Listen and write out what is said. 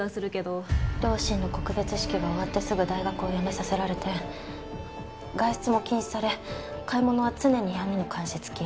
両親の告別式が終わってすぐ大学を辞めさせられて外出も禁止され買い物は常に兄の監視付き。